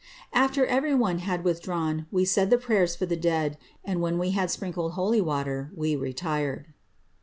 ^^After every one had withdrawn, we said the prayers for the dcadi and when we had sprinkled holy water we retired.''